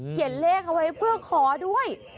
เลขเอาไว้เพื่อขอด้วย